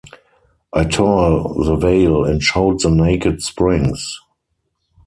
I tore the veil and showed the naked springs.